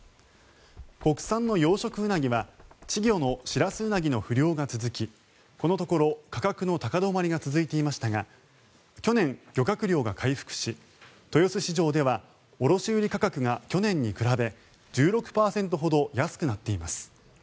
国産の養殖ウナギは稚魚のシラスウナギの不漁が続きこのところ価格の高止まりが続いていましたが去年、漁獲量が回復し豊洲市場では卸売価格が去年に比べ１６％ほど安くなっています。